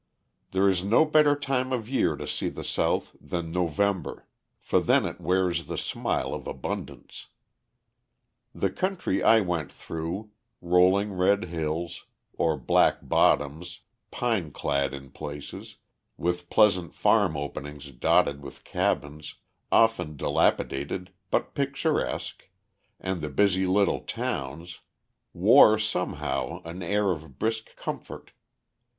There is no better time of year to see the South than November; for then it wears the smile of abundance. The country I went through rolling red hills, or black bottoms, pine clad in places, with pleasant farm openings dotted with cabins, often dilapidated but picturesque, and the busy little towns wore somehow an air of brisk comfort.